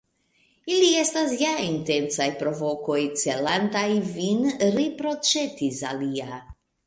Ili estas ja intencaj provokoj, celantaj vin, riproĉetis alia.